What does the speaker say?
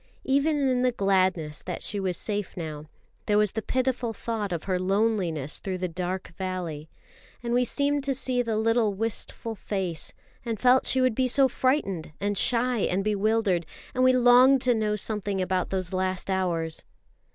Even in the gladness that she was safe now, there was the pitiful thought of her loneliness through the dark valley; and we seemed to see the little wistful face, and felt she would be so frightened and shy and bewildered; and we longed to know something about those last hours.